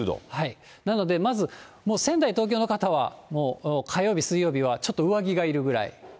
なので、まず、もう仙台、東京の方はもう火曜日、水曜日はちょっと上着がいるぐらい。